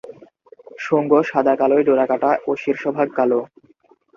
শুঙ্গ সাদায়-কালোয় ডোরাকাটা ও শীর্ষভাগ কালো।